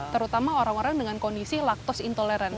terutama orang orang dengan kondisi laktos intoleran